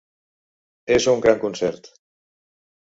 És un gran concert.